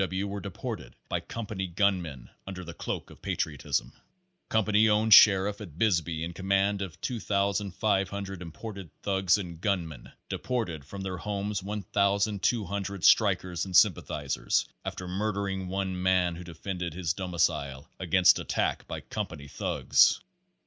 W. W. were deported by company gunmen under the cloak of patriotism. A company owned sheriff at Bisbee in command of 2,500 imported thugs and gunmen deported from their homes 1,200 strikers and sympathizers, after murder ing one man who defended his domicile against attack by company thugs.